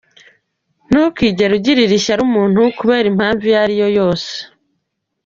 Ntukigere ugirira ishyari umuntu kubera impamvu iyo ariyo yose.